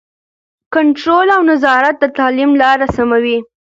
کنټرول او نظارت د تعلیم لاره سموي.